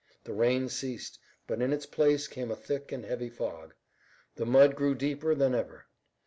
The rain ceased, but in its place came a thick and heavy fog. The mud grew deeper than ever.